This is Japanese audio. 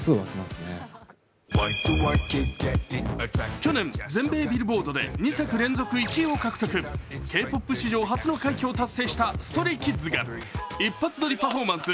去年、全米ビルボードで２作連続１位を獲得、Ｋ−ＰＯＰ史上初の快挙を達成したＳｔｒａｙＫｉｄｓが一発撮りパフォーマンス